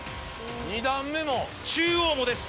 ・２段目も・中央もです